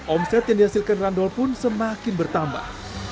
omset yang dihasilkan randol pun semakin bertambah